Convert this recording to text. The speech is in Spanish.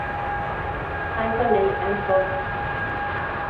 Heil Honey, I'm Home!